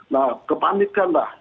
nah kepanikan lah